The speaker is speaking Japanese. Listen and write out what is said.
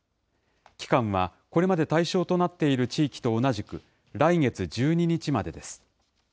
期間はこれまで対象となっている地域と同じく、来月１２日までです。